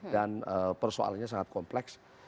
dan persoalannya sangat kompleks